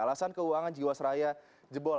alasan keuangan jiwasraya jebol